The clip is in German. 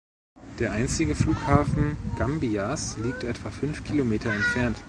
Der einzige Flughafen Gambias liegt etwa fünf Kilometer entfernt.